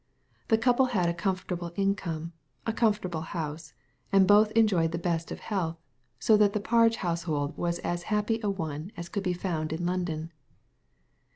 The couple had a comfortable income, a comfortable house, and both enjoyed the best of health, so that the Parge household was as happy a one as could be found in London.